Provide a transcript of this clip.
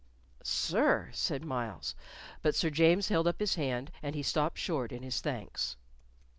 "Sir," said Myles; but Sir James held up his hand, and he stopped short in his thanks.